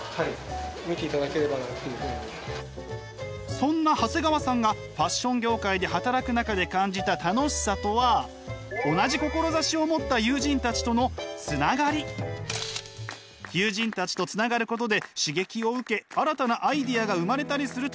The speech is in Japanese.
そんな長谷川さんがファッション業界で働く中で感じた楽しさとは友人たちとつながることで刺激を受け新たなアイデアが生まれたりするという長谷川さん。